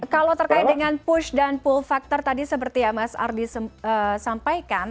kalau terkait dengan push dan pull factor tadi seperti yang mas ardi sampaikan